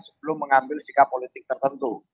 sebelum mengambil sikap politik tertentu